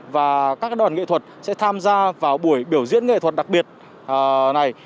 và các đoàn nghệ thuật sẽ tham gia vào buổi biểu diễn nghệ thuật đặc biệt này